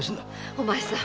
お前さん。